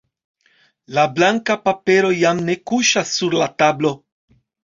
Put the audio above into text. La blanka papero jam ne kuŝas sur la tablo.